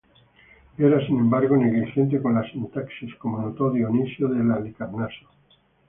Era, sin embargo, negligente con la sintaxis, como notó Dionisio de Halicarnaso.